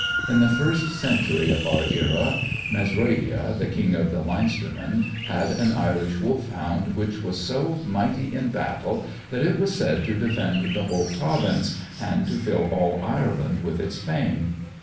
In the first century of our era, Mesroida, the King of the Leinstermen, had an Irish Wolfhound which was so mighty in battle that it was said to defend the whole province, and to fill all Ireland with its fame.